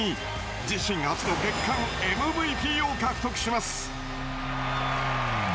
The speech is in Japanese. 自身初の月間ＭＶＰを獲得します。